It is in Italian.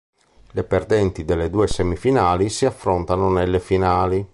Le perdenti delle due semifinali si affrontano nelle finali.